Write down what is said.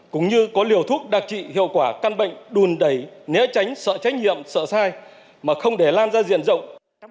cũng như có liều thuốc đặc trị hiệu quả căn bệnh đùn đẩy né tránh sợ trách nhiệm sợ sai mà không để lan ra diện rộng